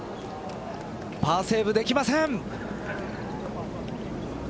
パーセーブできません。